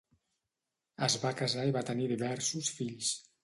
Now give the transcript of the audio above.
Es va casar i va tenir diversos fills.